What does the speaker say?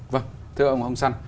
vâng thưa ông hồng săn